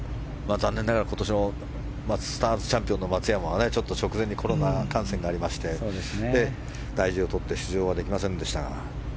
残念ながら今年マスターズチャンピオンの松山が直前にコロナ感染がありまして大事をとって出場はできませんでしたが。